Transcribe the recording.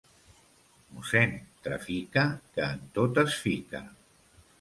Mossèn Trafica, que en tot es fica.